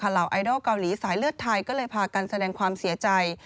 เหล่าไอดอลเกาหลีสายเลือดไทยก็เลยพากันแสดงความเสียใจ